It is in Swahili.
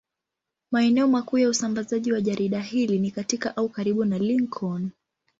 Maeneo makuu ya usambazaji wa jarida hili ni katika au karibu na Lincoln.